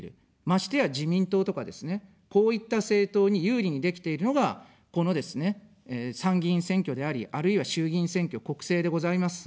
ましてや自民党とかですね、こういった政党に有利にできているのが、このですね、参議院選挙であり、あるいは衆議院選挙、国政でございます。